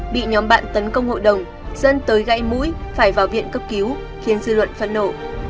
bị nhóm bạn tấn công hội đồng dân tới gãy mũi phải vào viện cấp cứu khiến dư luận phẫn nộ